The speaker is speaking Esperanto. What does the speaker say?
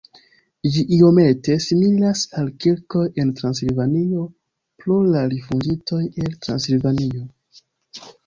Ĝi iomete similas al kirkoj en Transilvanio pro la rifuĝintoj el Transilvanio.